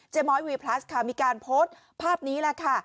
้อยวีพลัสค่ะมีการโพสต์ภาพนี้แหละค่ะ